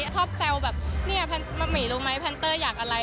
ชอบแซวแบบนี่แพนเตอร์มัมมี่รู้ไหมแพนเตอร์อยากอะไร